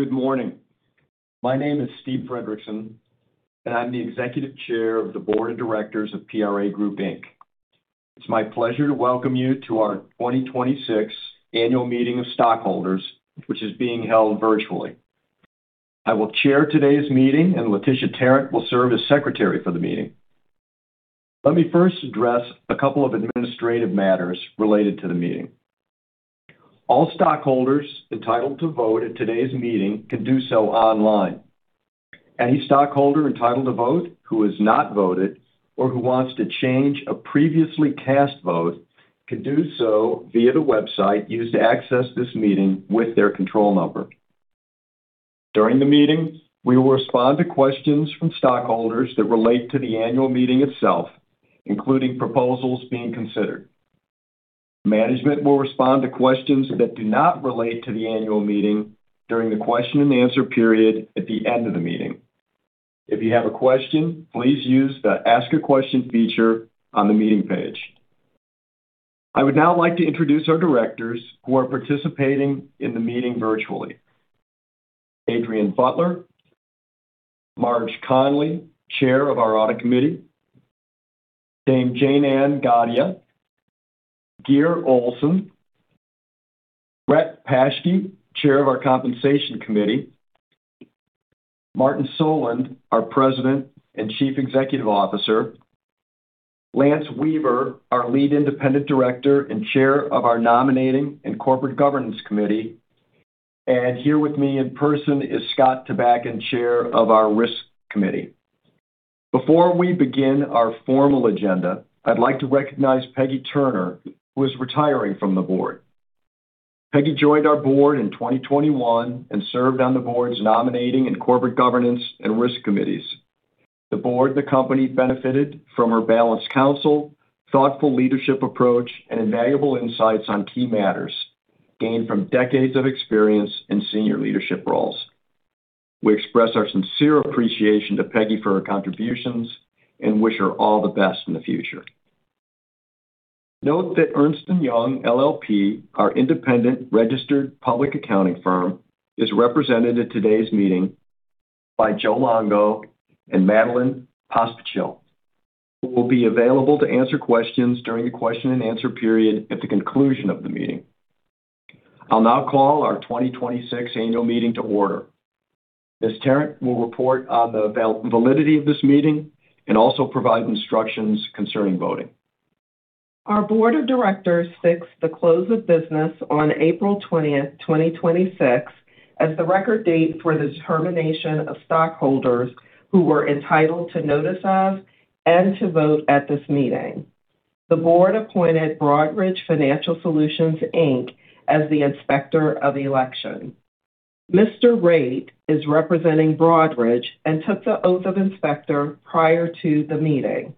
Good morning. My name is Steve Fredrickson, and I'm the Executive Chair of the Board of Directors of PRA Group, Inc. It's my pleasure to welcome you to our 2026 Annual Meeting of Stockholders, which is being held virtually. I will chair today's meeting, and LaTisha Tarrant will serve as secretary for the meeting. Let me first address a couple of administrative matters related to the meeting. All stockholders entitled to vote at today's meeting can do so online. Any stockholder entitled to vote who has not voted or who wants to change a previously cast vote can do so via the website used to access this meeting with their control number. During the meeting, we will respond to questions from stockholders that relate to the annual meeting itself, including proposals being considered. Management will respond to questions that do not relate to the annual meeting during the question and answer period at the end of the meeting. If you have a question, please use the Ask a Question feature on the meeting page. I would now like to introduce our directors who are participating in the meeting virtually. Adrian Butler. Marjorie Connelly, Chair of our Audit Committee. Dame Jayne-Anne Gadhia. Geir Olsen. Brett Paschke, Chair of our Compensation Committee. Martin Sjolund, our President and Chief Executive Officer. Lance Weaver, our Lead Independent Director and Chair of our Nominating & Corporate Governance Committee. Here with me in person is Scott Tabakin, Chair of our Risk Committee. Before we begin our formal agenda, I'd like to recognize Peggy Turner, who is retiring from the board. Peggy joined our board in 2021 and served on the board's Nominating & Corporate Governance and Risk committees. The board and the company benefited from her balanced counsel, thoughtful leadership approach, and invaluable insights on key matters gained from decades of experience in senior leadership roles. We express our sincere appreciation to Peggy for her contributions and wish her all the best in the future. Note that Ernst & Young LLP, our independent registered public accounting firm, is represented at today's meeting by Joe Longo and Madeline Pospichil, who will be available to answer questions during the question and answer period at the conclusion of the meeting. I'll now call our 2026 annual meeting to order. Ms. Tarrant will report on the validity of this meeting and also provide instructions concerning voting. Our Board of Directors fixed the close of business on April 20, 2026, as the record date for the determination of stockholders who were entitled to notice of and to vote at this meeting. The board appointed Broadridge Financial Solutions, Inc. as the inspector of the election. Mr. Rate is representing Broadridge and took the oath of inspector prior to the meeting.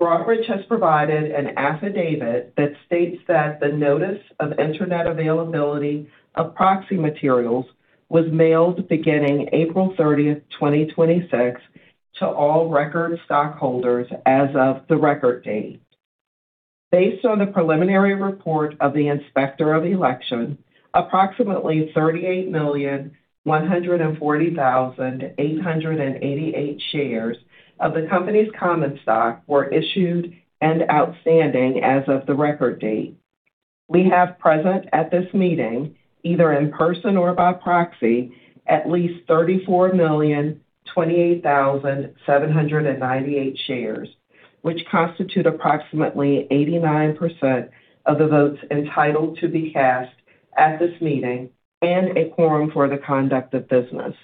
Broadridge has provided an affidavit that states that the notice of internet availability of proxy materials was mailed beginning April 30, 2026, to all record stockholders as of the record date. Based on the preliminary report of the inspector of election, approximately 38,140,888 shares of the company's common stock were issued and outstanding as of the record date. We have present at this meeting, either in person or by proxy, at least 34,028,798 shares, which constitute approximately 89% of the votes entitled to be cast at this meeting and a quorum for the conduct of business.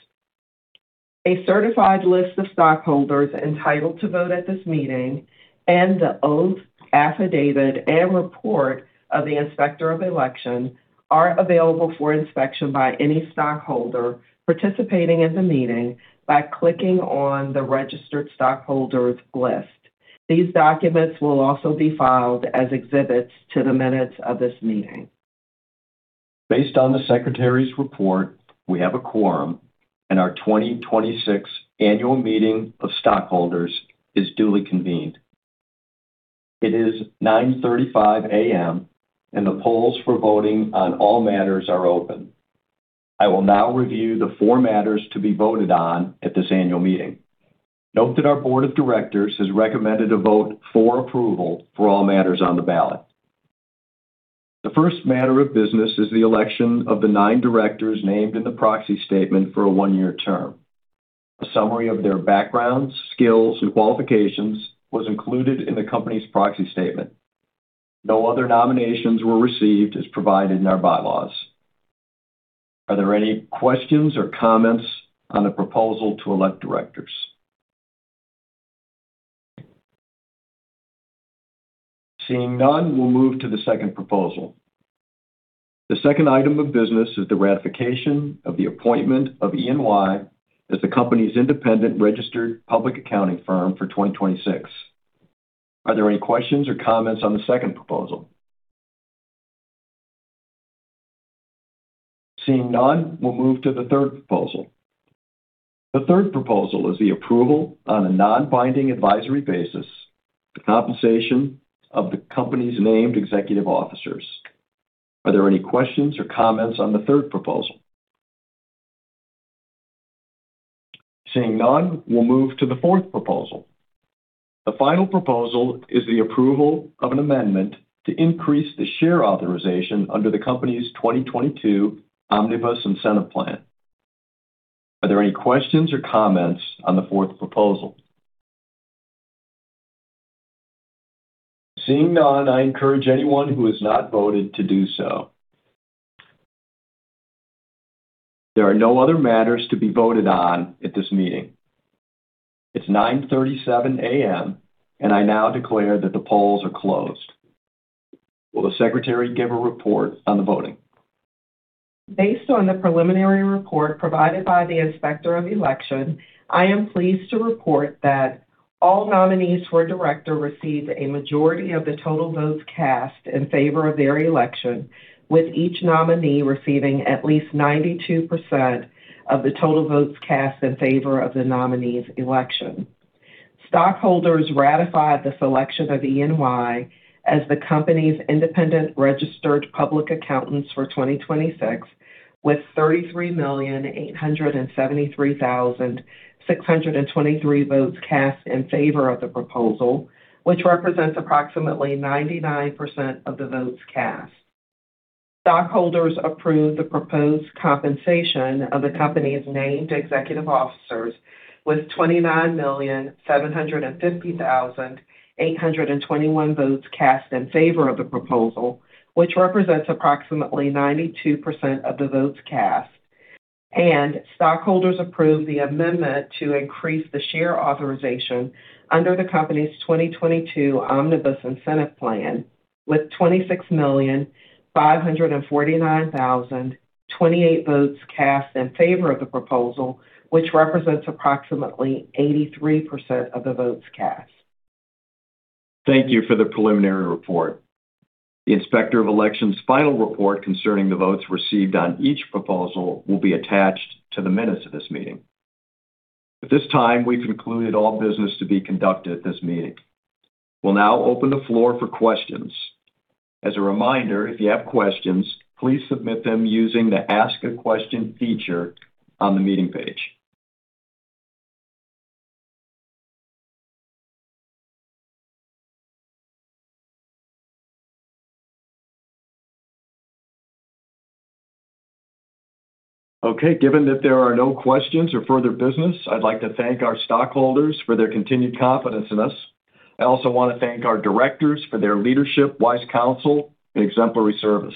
A certified list of stockholders entitled to vote at this meeting and the oath affidavit and report of the inspector of election are available for inspection by any stockholder participating in the meeting by clicking on the registered stockholders list. These documents will also be filed as exhibits to the minutes of this meeting. Based on the secretary's report, we have a quorum, our 2026 Annual Meeting of Stockholders is duly convened. It is 9:35 A.M., the polls for voting on all matters are open. I will now review the four matters to be voted on at this annual meeting. Note that our Board of Directors has recommended a vote for approval for all matters on the ballot. The first matter of business is the election of the nine directors named in the proxy statement for a one-year term. A summary of their backgrounds, skills, and qualifications was included in the company's proxy statement. No other nominations were received as provided in our bylaws. Are there any questions or comments on the proposal to elect directors? Seeing none, we'll move to the second proposal. The second item of business is the ratification of the appointment of EY as the company's independent registered public accounting firm for 2026. Are there any questions or comments on the second proposal? Seeing none, we'll move to the third proposal. The third proposal is the approval on a non-binding advisory basis, the compensation of the company's named executive officers. Are there any questions or comments on the third proposal? Seeing none, we'll move to the fourth proposal. The final proposal is the approval of an amendment to increase the share authorization under the company's 2022 Omnibus Incentive Plan. Are there any questions or comments on the fourth proposal? Seeing none, I encourage anyone who has not voted to do so. There are no other matters to be voted on at this meeting. It's 9:37 A.M., I now declare that the polls are closed. Will the secretary give a report on the voting? Based on the preliminary report provided by the Inspector of Election, I am pleased to report that all nominees for director received a majority of the total votes cast in favor of their election, with each nominee receiving at least 92% of the total votes cast in favor of the nominee's election. Stockholders ratified the selection of EY as the company's independent registered public accountants for 2026, with 33,873,623 votes cast in favor of the proposal, which represents approximately 99% of the votes cast. Stockholders approved the proposed compensation of the company's named executive officers with 29,750,821 votes cast in favor of the proposal, which represents approximately 92% of the votes cast. Stockholders approved the amendment to increase the share authorization under the company's 2022 Omnibus Incentive Plan with 26,549,028 votes cast in favor of the proposal, which represents approximately 83% of the votes cast. Thank you for the preliminary report. The Inspector of Election's final report concerning the votes received on each proposal will be attached to the minutes of this meeting. At this time, we've concluded all business to be conducted at this meeting. We'll now open the floor for questions. As a reminder, if you have questions, please submit them using the Ask a Question feature on the meeting page. Given that there are no questions or further business, I'd like to thank our stockholders for their continued confidence in us. I also want to thank our directors for their leadership, wise counsel, and exemplary service.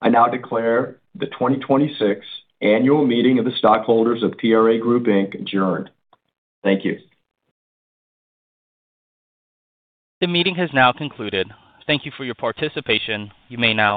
I now declare the 2026 Annual Meeting of Stockholders of PRA Group, Inc. adjourned. Thank you. The meeting has now concluded. Thank you for your participation. You may now disconnect